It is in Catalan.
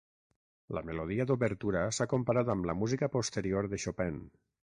La melodia d'obertura s'ha comparat amb la música posterior de Chopin.